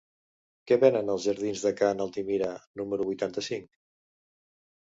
Què venen als jardins de Ca n'Altimira número vuitanta-cinc?